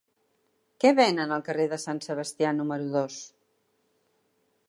Què venen al carrer de Sant Sebastià número dos?